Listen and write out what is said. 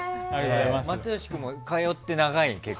又吉君も通って長いの？